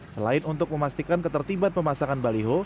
selain untuk memastikan ketertiban pemasangan baliho